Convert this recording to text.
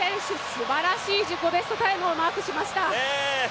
すばらしい自己ベストタイムをマークしました。